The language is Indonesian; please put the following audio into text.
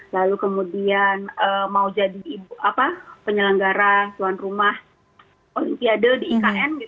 lalu kemudian mau jadi penyelenggara tuan rumah olimpiade di ikn